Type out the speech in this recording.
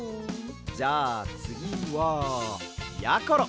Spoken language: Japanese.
じゃあつぎはやころ！